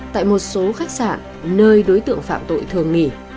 tại một số khách sạn nơi đối tượng phạm tội thường nghỉ